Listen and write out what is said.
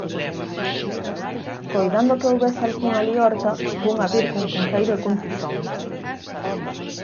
Coidando que houbese algunha liorta, fun abrir cun fungueiro e cun tizón.